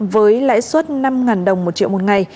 với lãi suất năm đồng một triệu một ngày